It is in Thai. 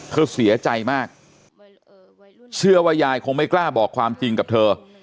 เธอเสียใจมากเชื่อว่ายายคงไม่กล้าบอกความจริงกับเธอ